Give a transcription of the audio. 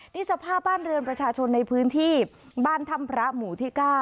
นี่สภาพบ้านเรือนประชาชนในพื้นที่บ้านถ้ำพระหมู่ที่๙